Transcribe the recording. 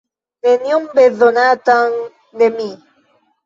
Nenion bezonatan de mi.